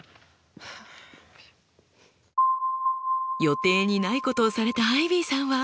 予定にないことをされたアイビーさんは。